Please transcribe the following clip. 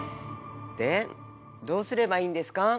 でどうすればいいんですか？